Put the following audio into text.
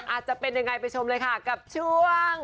จะเป็นยังไงไปชมเลยค่ะกับช่วง